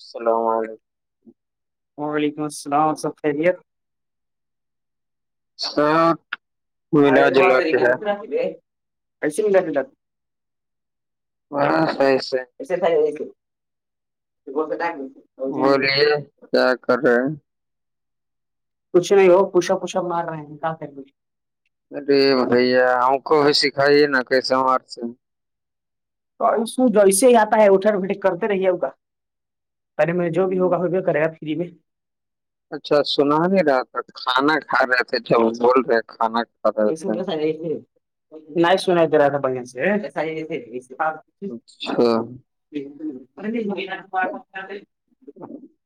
السلام علیکم [unintelligible] وعلیکم السلام سب خیری [unintelligible] چا [unintelligible] آ پ تی گنا آکلے پیس [unintelligible] ہاں سی سی [unintelligible] ایسے خائی ج ب سے ڈ [unintelligible] بلیے کیا کر رہے ہیں [unintelligible] کچھ نہیں ہو پوشپ وشپ مار رہے ہیں کہ کر [unintelligible] کچھ اے یہ بھائی ا کو سکھائیے نا کئی سوار سے [unintelligible] توسو جسے ہی آتا ہے اٹا وٹے کرتے رہیے ہوگا [unintelligible] اے میں جو بھی ہوگا وہ بھی کرے گا فری میں [unintelligible] اچھا سنا نہیں رہا تھا کھانا کھا رہے تھے جب وہ بول رہے ہیں کھانا [unintelligible] م سج نہیں سنا تھ رہا ب سےج [unintelligible] اچھا [unintelligible] پ [unintelligible] [inaudible]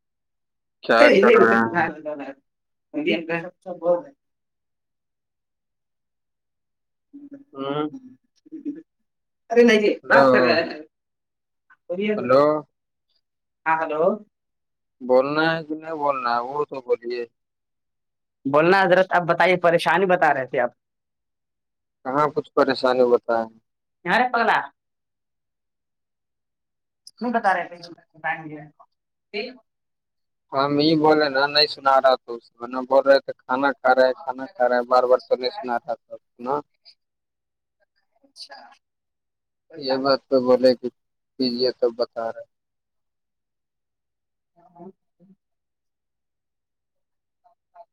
ا کیا یہ کر بھی ک رہے ہیں م ب [unintelligible] [unintelligible] [unintelligible] ارے نہیں ہلو رہ ہلو ہاں ہلو [unintelligible] بولنا ہے کہ نہیں بولنا ہے وہ سب بولے [unintelligible] بولنا حضرت آپ بتائیے پریشانی بتا رہے تھے آپ [unintelligible] کہاں کچھ پریشانی بتائے [unintelligible] یار پگلا [unintelligible] ت بتا رہےم د [unintelligible] ہم یہ بولے نا نہیں سنا رہا تو اسورنہ بول رہے تھے کھانا [unintelligible] کھ رہا ہے کھانا کھ رہا ہے بار بار تو نہیں سنا رہا تھا نا [unintelligible] اچھا [unintelligible] یہ بات تو بولے کہ کیجیے تو بتا رہے ہیں [unintelligible] ا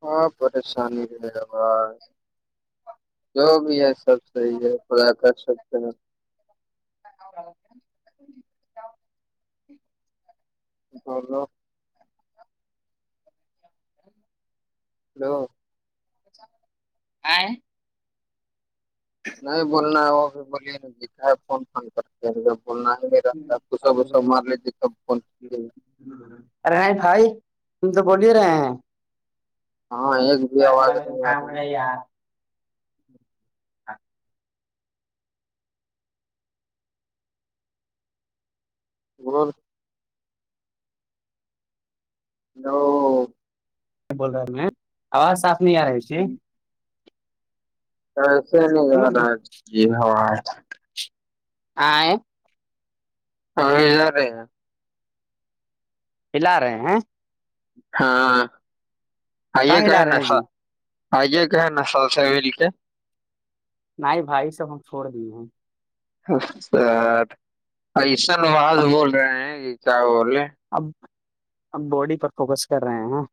ہاں پریشانی رہ ہوا جو بھی ہے سب صحیح ہے پ آ کررشکتے ن [inaudible] [inaudible] ہ ہلو آ نہیں بولنا ہے وہ بھی بولیےا دکھا ہے فون فون کرتے ایک دم ب رست ک سب ب سب مارلے ج سب بن ارے نہیں بھائی تم تو بوول ہی رہے ہیں ہاں ایک بھی آواز نہیں آ رہی جاں ہاں ب ہو بول رہے ہیں آواز صاف نہیں آ رہی ہے ایسے نہیں زیا سمجھ گئے رہاج یہی ہوا آ ہاںارے ہلا رہے ہیں ہاں آ کا یہ کہ ہلا ہے رہے ہیں جی نسا آئیے کہ نا سل سے مل کے نہیں بھائی سب ہم چھوڑ دیئےے ہیں اچھا ایشن واز اب بول رہے ہیں ج کیا بولے اب اب باڈی پر فوکس کر رہے ہیں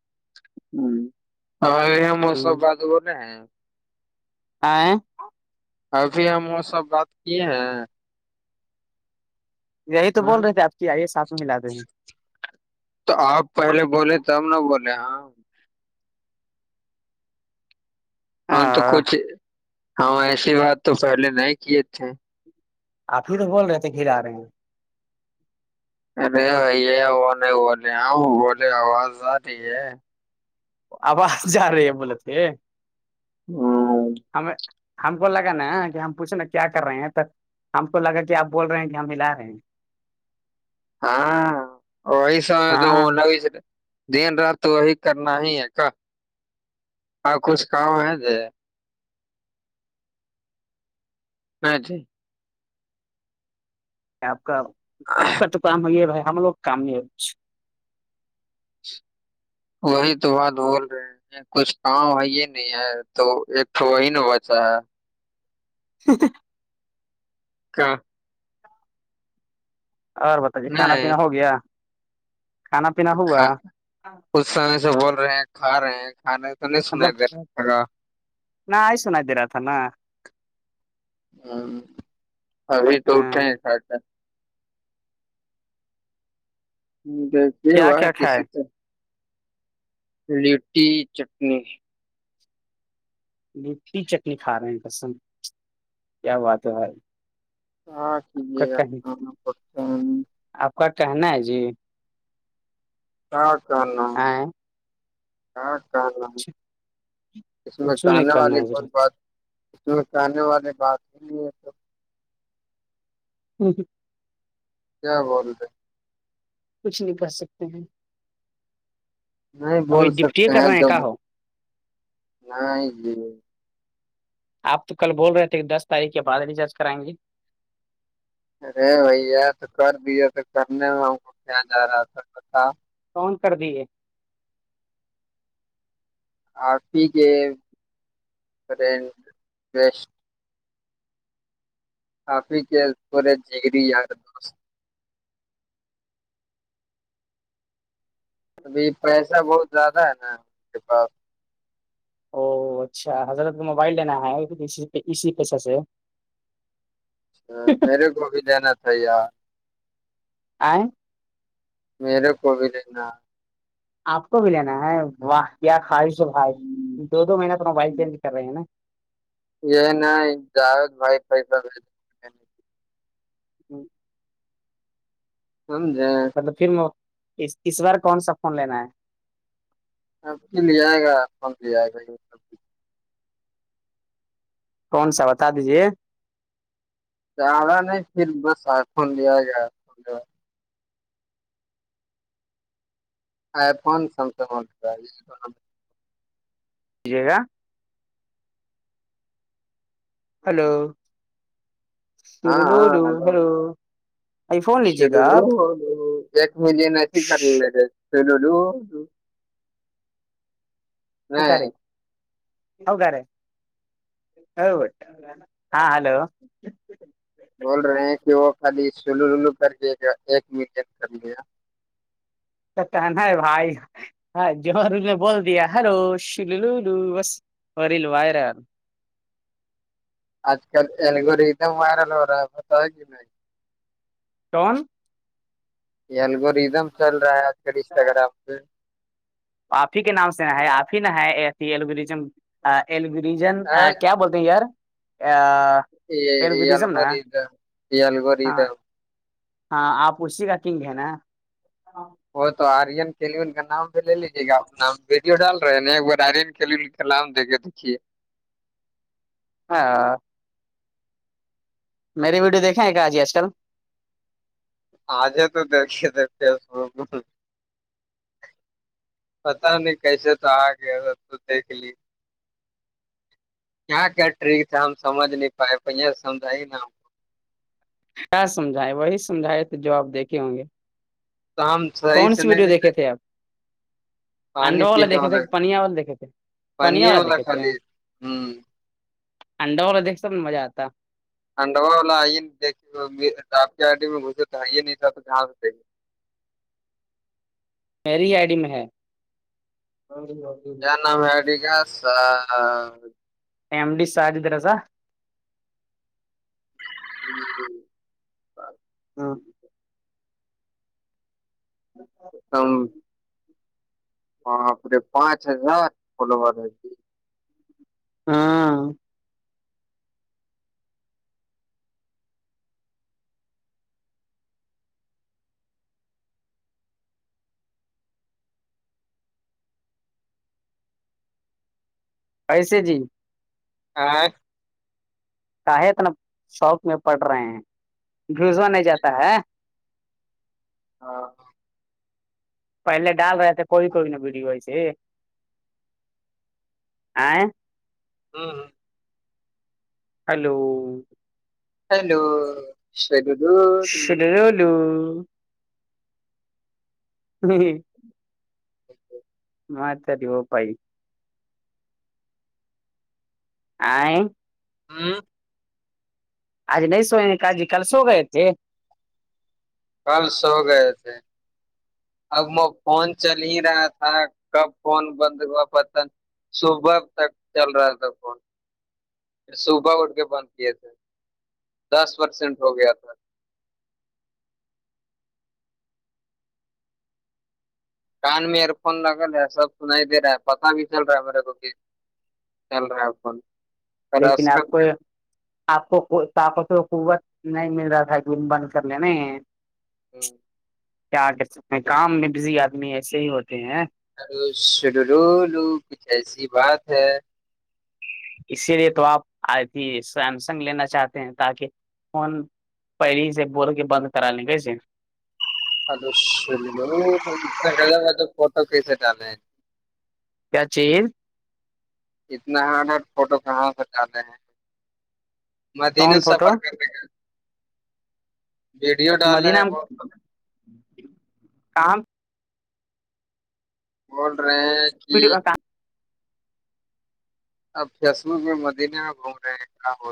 ہ اور یہاں ہیں موسم بد وہ ن ہے آئیں ابھی ہم وہ سب بات کیے ہیں یہی تو ہاں بول رہے تھے آپ کی آئیے ساتھ میں ملا دیں گے تو آپ پہلے بولے تب نہ بولے ہاں ہم تو ہاں کچھ ہاں ایسی بات تو پہلے نہیں کیے تھے آپ ہی تو بول رہے تھے گھر آ رہے ہیں ارے بھائی یہ وہ نہیں بولے آؤ بولے آواز آ رہی ہے اب آپ جا رہی ہے بولے تھے ہمیں ہم کو لگا نا کہ ہم پوچھناا کیا کر رہے ہیں ت ہم کو لگا کہ آپ بول رہے ہیں کہ ہم ملا رہے ہیں ہاں وہی س تو ہاں لگئی س دن رات تو وہی کرنا ہی ہے کا آ کچھ کھاؤ ہے ج ااں جی آپ کا آپ کا تو کام ہے یہ ہے بھائی ہم لوگ کام نہیں ہےچھ وہی تو بات بول رہے ہیں کچھ کام ہے یہ نہیں ہے تو ایک تو وہی ن بچا ہے س کیا اور بتجے کھانا نہیں پینا ہو گیا کھانا پینا تو ہوا کھا کچ سمے سے بول رہے ہیں کھا رہے ہیں کھانے تو نہیں سنے مطلب دے رہا سگا نہ آئیسو ندیاات نا ہوں ابھی تو اٹھے دی کیا کیا وک کھائے ست لٹی چٹنی میٹھی چٹنی کھا رہے ہیں کسم کیا بات ہے بھائی ہاں آپ کا کیھیک کہ آپ کا کہنا ہے جی کیا کا آئیں کہنا ہے اس میں کچھ نہیں کہنے کہنا والی ہے بت حضرت بات کہنے والے بات ہی لی تو جی جی کیا بولتےے کچھ نہیں پڑ سکتے ہیں نہیں ابھی بول ڈپٹی سکتے کر ہیں رہے جب کا ہو نہیں آپ تو کل بول رہے تھے کہ دس تاریخ کے بد ر جج کرائیں گے ارے بھیا تو کر دیا تو کرنے میں ہم کو کیا آ رہا تھا تھا کون کر دیے آفی کے کافی کے پورے جری یار دوست ابھی پریشر بہت زیادہ ہے نا اس کے پاس او اچھا حضرت کو موبائل لینا ہےی اسی پیچ سے میرے کوب لین تھا آئیں میرے کو بھی لنا آپ کو بھی لینا ہے واہ کیا خواہش ہو بھائی دو دو مہینہ تو موبائل چینج کر رہے ہیں نا یہ جاؤز بھائی خئی ج سمد ہے پھر اس بار کون سا فون لینا ہے ہاں کل ا بند کون سا بتا دیجے زیادہ نہیں پھر بس آئر فون لیا گیا فون آئی فون سمسنگ دیجیے گا ہلو میں- س ہاں ہلو ابھی فون لیجیے گا شڈول آپ ایک ملین ای ہی کرے شڈول نہیں سکارے ہو رے ہاں ہلو بول رہے ہیں کہ وہ خالی سلو ولو کر کے ایک میٹ کر لیا تو نا بھائی ہاں جوہر نے بول دیا ہلو شل لولو بس وریلو وائرا آج کل ایلگور ایک دم وائرل ہو رہا ہے ہوتا ہے نہیں ٹون یگ ریدم چل رہا ہے آج کل انسٹا گرام پ آپ ہی کے نام سے نہ ہے آپ ہی نہ ہے ای ایلوریزم ایلجن ہاں، کیا بولتے ہیں یار یہ یہل ایلگریزم نا گور یہلگور ہاں دا ہاں آپ اسی کا کنگ ہے نا وہ تو آرین کیلون کا نام بھی لے لیجیے گا نام بھی ڈال رہے نا ایک بار ڈائرین کھیام دیکھے دیکھیے ہاں میری ویڈیویکھیں ہے کہ آجی آج کل آجے تو دیکھیے دیکھتے س پتا نہیں کیسے تو آ گیا سب تو دیکھ لی کیا کیا ٹریک تھا ہم سج نہیں پائے ب سے سجھائیے نا ہم کیا سمجھائے وہی سمجھائے تو جو آپ دیکھے ہوں گے تو ہم صحیح کون سے سی نہیں ویڈیو دیتے دیکھے تھے آپ پانی اڈو والا پینے دھے تھے پنیا والا دیکے تھے پنیر پانی والا دیکھے تھے خالی ہوں انڈا والا دیکھے سب مزہ آتا ہڈوا والا آئیے دیکے آپ کی آڈی میں گزے تو نہیں تھا تو جہاں سےے میری آئی ڈیم ہے کیا نام ہے ڈگس فملی سارجد رہاسا جی ہ ہاں بالکل ام ہاں پورے پانچ ہزار کل ب ہاں ایسے جی ہاں کا ہے اتنا شوق میں پڑ رہے ہیں گزوا نہیں جاتا ہے ہاں پہلے ڈال رہے تھے کوئی کوئی نہ بری ویسے آ ہاں ہاں ہلو ہیلو دو ہیولو نہیں متاری وہوپائی آئیں ہوں آج نہیں سوینکا جی کل سو گئے تھے کل سو گئے تھے اب وہ فون چل ہی رہا تھا کب فون بند ہوا پت صبح تک چل رہا تھا فون ھر صبح اٹھ کے بند کیے تھے دس پرسینٹ ہو گیا تھا کان میں ایئر فون لگ رہ ہے سب سنائی دے رہا ہے پتا بھی چل رہا ہے میرے کو اللرا آکن لیکن آپ کو آپ کو طاقت و قوت نہیں مل رہا تھا دن بند کر لینے کیا کہ سکتے ہیں کام میں بزی آدمی ایسے ہی ہوتے ہیں ہلو سر رولو کچھ ایسی بات ہے اسی لیے تو آپ آھی سیمسنگ لینا چاہتے ہیں تاکہ فون پہری سے بول کے بند کرا لیں گسے ہل س لو توچھا کر ب تو فوٹو کیسےٹلے کیا چز اتنا ہارڈریڈ فوٹو کہاں سے جاہے ہیں مدن کون فوٹو سفر کر د گ مد ڈالے ہیں نام بہت کام بول رہے ہیں کہ بھیڈوا کا اپ جیسمو میں مدینہ آ گھوم رہے ہیں کیا ب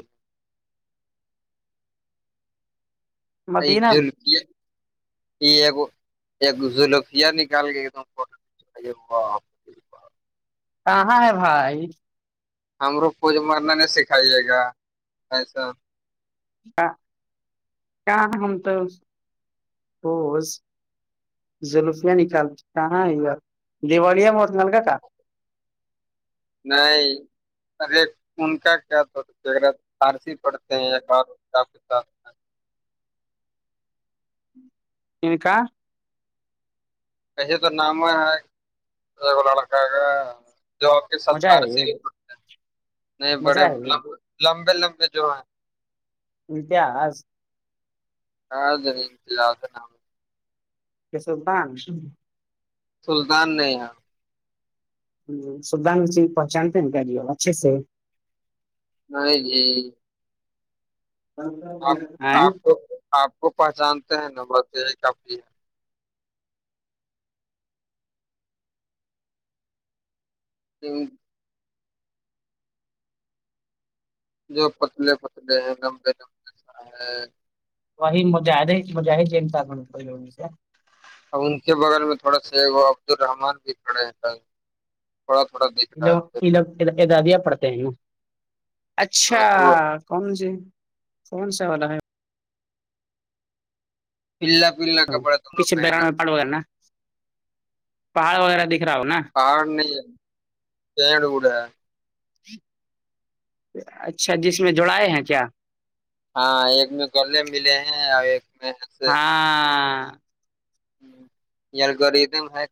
ا مدینہ جل کی ہے یہگ ایک جلکیا نکال کے ایک د فٹو کچ کہاں ہے بھائی ہمرو پوھ مرنا نہیں سکھائیے گا ایسا کہاں ہم تو بوس جلوفیاں نکالتی کہاں دیوالیاں مور نل کاا کہاں نہیں ارے ان کا کیا تو فارسی پڑتے ہیں ایک بار کا پ ان کا ایے تو نام ہے لڑکا کا جو آپ کے س فارسی مجاہد نہیں بڑے مجاہد لم لمبے لمبے جو ہیں اتہس ہاں ننتی ل ا کیس بان س سلطان نے یہاں سبانچی پہچاتے ہیں ن گ ج اچھے سے نہیں جی آپ آپ کو آپ کو پہچانتے ہیں نبربھی ہے تو جو پتلے پتلے ہیں لمبے لم [unintelligible] وہی مجاہدہ اس اب ان کے بغیر میں تھوڑا سی عبدالرحمن بھی پڑے ہیں تھوڑا تھوڑا رہا ہے چہرہ۔ اچھا ہاں تو کون سا الا باللہ کپڑا دونوں پیچھے پہ [unintelligible] وغیرہ دکھ رہا کیا روڈ ہے اچھا جس میں دوڑائے ہیں ہاں ایک میں کر لیں ملے ہیں ایک ایسے ہاں یلگورتھم ہے